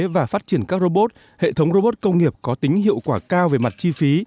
và phát triển các robot hệ thống robot công nghiệp có tính hiệu quả cao về mặt chi phí